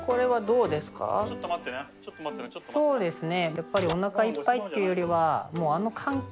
そうですね。